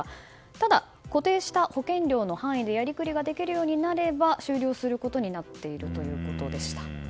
ただ、固定した保険料の範囲でやりくりできるようにあれば終了することになっているということでした。